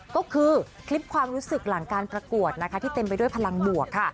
ก็คือคลิปความรู้สึกหลังการประกวดนะคะที่เต็มไปด้วยพลังบวกค่ะ